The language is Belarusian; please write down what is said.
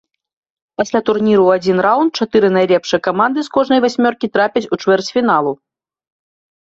Пасля турніру ў адзін раунд чатыры найлепшыя каманды з кожнай васьмёркі трапяць у чвэрцьфіналу.